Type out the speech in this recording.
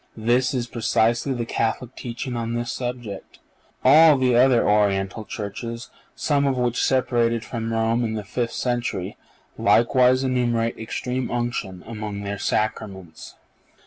This is precisely the Catholic teaching on this subject. All the other Oriental churches, some of which separated from Rome in the fifth century, likewise enumerate Extreme Unction among their Sacraments.